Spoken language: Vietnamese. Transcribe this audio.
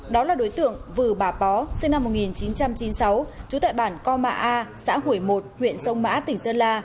đó là đối tượng vừ bà pó sinh năm một nghìn chín trăm chín mươi sáu trú tại bản co mạ a xã hủy một huyện sông mã tỉnh sơn la